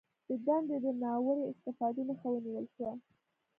د دندې د ناوړه استفادې مخه ونیول شوه